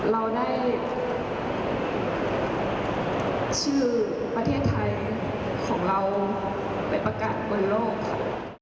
เราได้ชื่อประเทศไทยของเราไปประกาศบนโลกค่ะ